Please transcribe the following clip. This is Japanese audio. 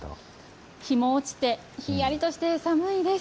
日も落ちて、ひんやりとして寒いです。